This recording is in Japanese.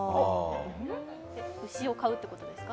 牛を買うっていうことですか？